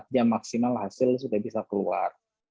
empat jam maksimal hasil sudah bisa keluar